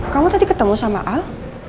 kamu tadi ketemu sama al